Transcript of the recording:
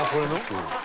うん。